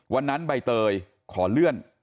วันนั้นใบเตยขอเลื่อน